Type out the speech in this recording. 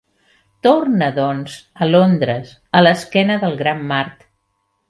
Torna doncs a Londres a l'esquena del Gran Mart.